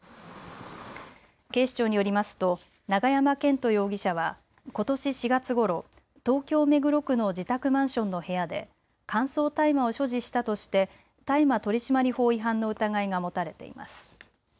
警視庁によりますと永山絢斗容疑者はことし４月ごろ東京目黒区の自宅マンションの部屋で乾燥大麻を所持したとして大麻取締法違反の疑いが持たれています。